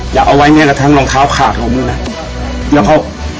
อย่าเอาไว้แม้กระทั่งรองเท้าขาข่าวมึงนะ